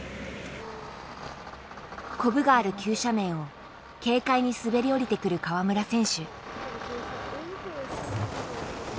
コブがある急斜面を軽快に滑り降りてくる川村選手。